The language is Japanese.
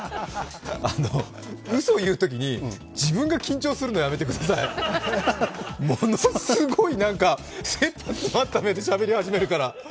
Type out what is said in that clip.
うそを言うときに自分が緊張するの、やめてくださいものすごい、なんか、せっぱ詰まった目でしゃべり始めるから。